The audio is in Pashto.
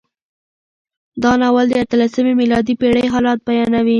دا ناول د اتلسمې میلادي پېړۍ حالات بیانوي.